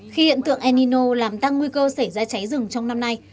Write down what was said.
khi hiện tượng enino làm tăng nguy cơ xảy ra cháy rừng trong năm nay